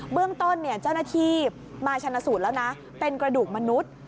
เรื่องต้นเจ้าหน้าที่มาชนะสูตรแล้วนะเป็นกระดูกมนุษย์